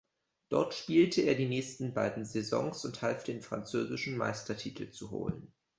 Dort spielte er die nächsten beiden Saisons und half den französischen Meistertitel zu holen.